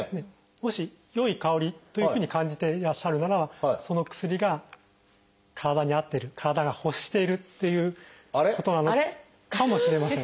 もし良い香りというふうに感じていらっしゃるならその薬が体に合ってる体が欲しているっていうことなのかもしれません。